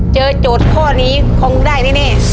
โจทย์ข้อนี้คงได้แน่